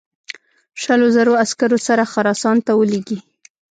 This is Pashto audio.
شلو زرو عسکرو سره خراسان ته ولېږي.